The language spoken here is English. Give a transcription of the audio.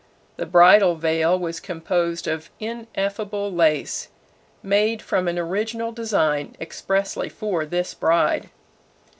The bridal veil was composed of ineffable lace, made from an original design expressly for this bride.